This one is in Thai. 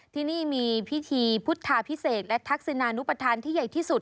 ที่นี่มีพิธีพุทธาพิเศษและทักษนานุปทานที่ใหญ่ที่สุด